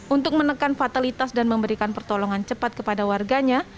untuk menekan fatalitas dan memberikan pertolongan cepat kepada warganya